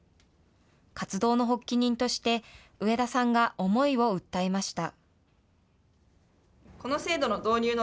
活動の発起人として、上田さんが思いを訴えました。